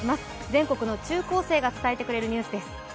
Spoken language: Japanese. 全国の中高生が伝えてくれるニュースです。